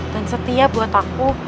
dan setia buat aku